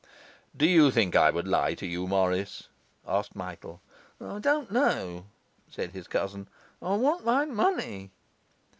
'Do you think I would lie to you, Morris?' asked Michael. 'I don't know,' said his cousin. 'I want my money.